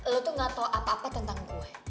lo tuh gak tau apa apa tentang gue